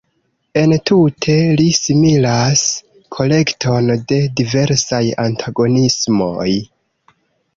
Entute li similas kolekton de diversaj antagonismoj!